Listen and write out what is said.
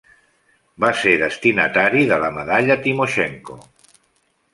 Va ser destinatari de la medalla Timoshenko.